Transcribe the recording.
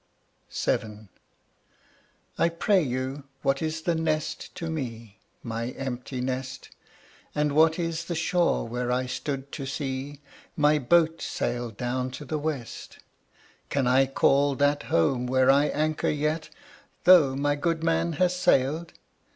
VII. I pray you, what is the nest to me, My empty nest? And what is the shore where I stood to see My boat sail down to the west? Can I call that home where I anchor yet, Though my good man has sailed?